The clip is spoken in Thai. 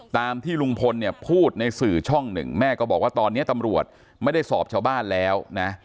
ตามที่ลุงพลเนี่ยพูดในสื่อช่องหนึ่งแม่ก็บอกว่าตอนนี้ตำรวจไม่ได้สอบชาวบ้านแล้วนะ